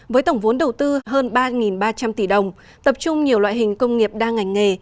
với tổng vốn đầu tư hơn ba ba trăm linh tỷ đồng tập trung nhiều loại hình công nghiệp đa ngành nghề